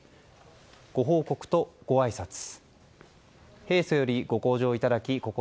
ご報告とごあいさつ。